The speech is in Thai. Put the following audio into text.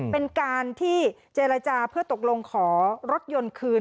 เป็นการที่เจรจาเพื่อตกลงขอรถยนต์คืน